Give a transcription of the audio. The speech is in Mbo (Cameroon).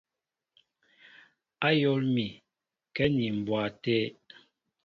Ayól mi kɛ ni mbwa té.